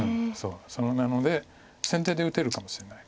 そうなので先手で打てるかもしれない。